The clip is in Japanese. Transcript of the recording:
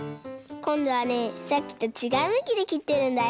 こんどはねさっきとちがうむきできってるんだよ。